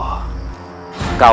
kau tidak tahu